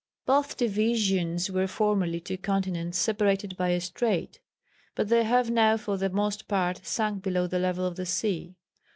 Both divisions were formerly two continents separated by a strait, but they have now for the most part sunk below the level of the sea.